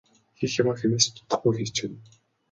Хийх юмаа хэнээс ч дутахгүй хийчихнэ.